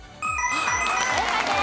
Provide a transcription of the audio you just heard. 正解です。